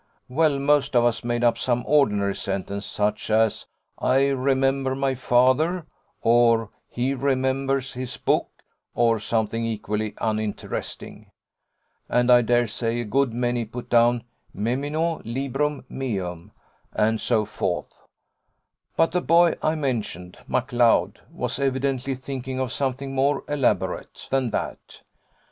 Well, most of us made up some ordinary sentence such as "I remember my father," or "He remembers his book," or something equally uninteresting: and I dare say a good many put down memino librum meum, and so forth: but the boy I mentioned McLeod was evidently thinking of something more elaborate than that.